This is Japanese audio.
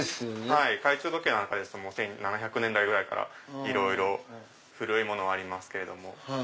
懐中時計なんかですと１７００年代ぐらいからいろいろ古いものはありますけれども。